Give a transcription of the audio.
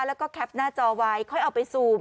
แล้วก็แคปหน้าจอไว้ค่อยเอาไปซูม